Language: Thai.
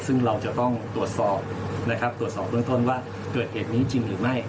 ซึ่งเราจะต้องตรวจสอบนะครับตรวจสอบเบื้องต้นว่าเกิดเหตุนี้จริงหรือไม่